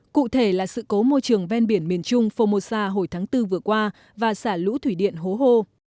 cụ thể là sự cố môi trường ven biển miền trung phongmosa hồi tháng bốn vừa qua và xả lũ thủy điện hố hô